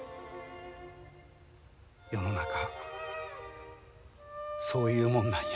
世の中そういうもんなんや。